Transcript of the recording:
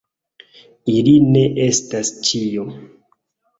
Ili ne estas ĉio.